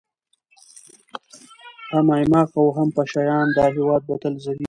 هم ايـــماق و هم پـــشــه یــــیــان، دا هـــیــواد به تــل ځلــــــیــــږي